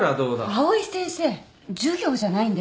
藍井先生授業じゃないんですから。